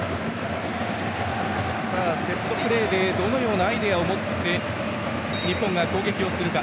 セットプレーでどのようなアイデアを持って日本が攻撃をするか。